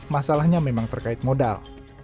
masalahnya memang terkait modal